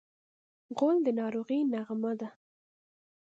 غول د ناروغۍ نغمه ده.